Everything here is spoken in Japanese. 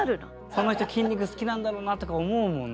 この人筋肉好きなんだろうなとか思うもんな。